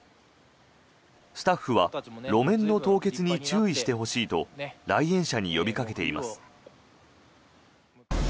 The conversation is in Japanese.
スタッフは路面の凍結に注意してほしいと来園者に呼びかけています。